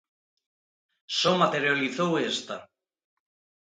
Só materializou esta.